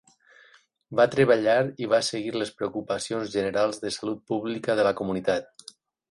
Va treballar i va seguir les preocupacions generals de salut pública de la comunitat.